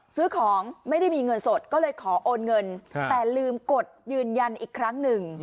ซื้อของไม่ได้มีเงินสดก็เลยขอโอนเงินแต่ลืมกดยืนยันอีกครั้งหนึ่ง